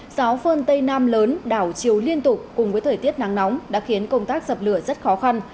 gió phơn tây nam lớn đảo chiều liên tục cùng với thời tiết nắng nóng đã khiến công tác dập lửa rất khó khăn